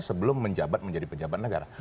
sebelum menjadi pejabat negara